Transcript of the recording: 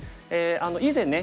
以前ね